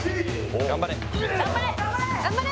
「頑張れ！」